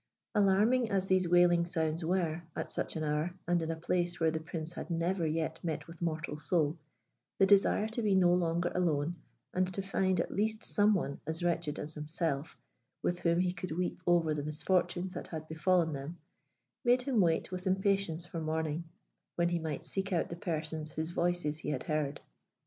Alarming as these wailing sounds were at such an hour and in a place where the Prince had never yet met with mortal soul, the desire to be no longer alone, and to find at least some one as wretched as himself with whom he could weep over the misfortunes that had befallen them, made him wait with impatience for morning, when he might seek out the persons whose voices he had heard.